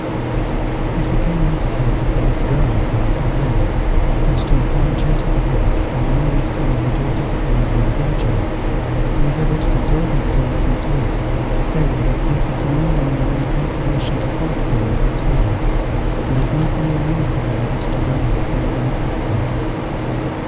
It became necessary to place guards round her grave, and to employ gentle force in removing some of the daughters of the neighbouring villagers, who endeavoured to throw themselves into it, saying that they had no longer any consolation to hope for in this world, and that nothing remained for them but to die with their benefactress.